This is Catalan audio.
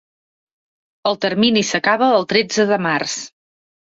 El termini s'acaba el tretze de març.